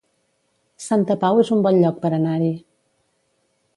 Santa Pau es un bon lloc per anar-hi